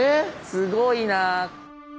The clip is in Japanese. すごいな。